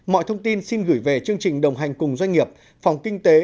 mọi thông tin xin gửi về chương trình đồng hành cùng doanh nghiệp phòng kinh tế